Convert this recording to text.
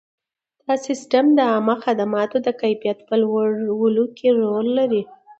دا سیستم د عامه خدماتو د کیفیت په لوړولو کې رول لري.